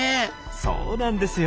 そうなんですよ。